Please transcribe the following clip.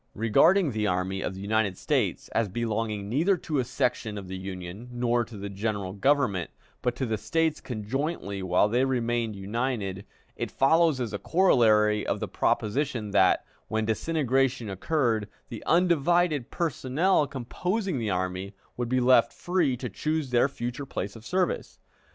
Regarding the Army of the United States as belonging neither to a section of the Union nor to the General Government, but to the States conjointly while they remained united, it follows as a corollary of the proposition that, when disintegration occurred, the undivided personnel composing the army would be left free to choose their future place of service.